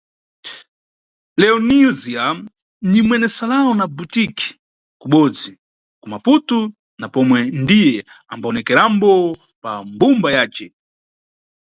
Leonilzia ni mwene salão na butique kubodzi ku Maputu na pomwe ndiye ambawonekerambo pa mbumba yace.